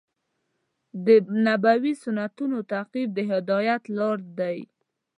د نبوي سنتونو تعقیب د هدایت لار دی.